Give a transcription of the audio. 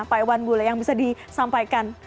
pak iwan bule yang bisa disampaikan